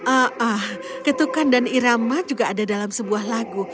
aah ketukan dan irama juga ada dalam sebuah lagu